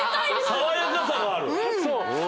爽やかさがある。